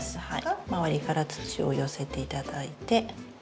周りから土を寄せていただいて。